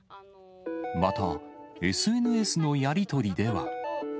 また、ＳＮＳのやり取りでは。